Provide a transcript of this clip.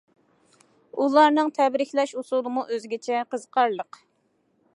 ئۇلارنىڭ تەبرىكلەش ئۇسۇلىمۇ ئۆزگىچە، قىزىقارلىق.